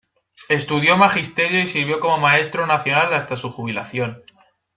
Estudió magisterio y sirvió como maestro nacional hasta su jubilación.